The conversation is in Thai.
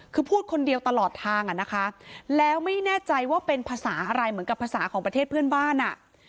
คือพูดคนเดียวตลอดทางอ่ะนะคะแล้วไม่แน่ใจว่าเป็นภาษาอะไรเหมือนกับภาษาของประเทศเพื่อนบ้านอ่ะ